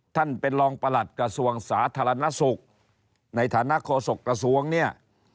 ท่านเป็นรองประหลัดกระทรวงสาธารณสุขในฐานะโฆษกระทรวงเนี่ย